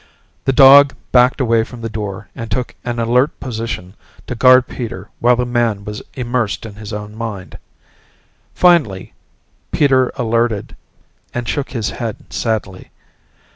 The dog backed away from the door and took an alert position to guard Peter while the man was immersed in his own mind. Finally Peter alerted and shook his head sadly.